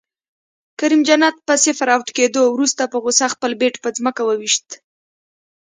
کریم جنت په صفر اؤټ کیدو وروسته په غصه خپل بیټ په ځمکه وویشت